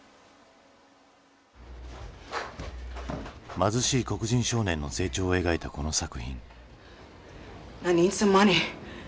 貧しい黒人少年の成長を描いたこの作品。